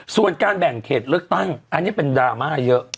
ส่วนการแบ่งเขตเลือกตั้งอันนี้เป็นดราม่าเยอะ